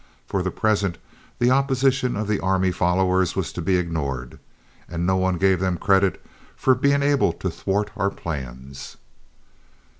For the present the opposition of the army followers was to be ignored, as no one gave them credit for being able to thwart our plans.